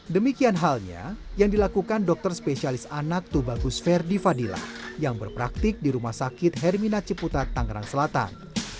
demikian halnya yang dilakukan dokter spesialis anak tubagus verdi fadila yang berpraktik di rumah sakit hermina ciputat tangerang selatan